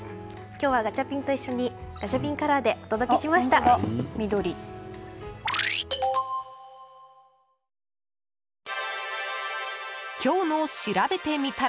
今日はガチャピンと一緒にガチャピンカラーでお届けしました。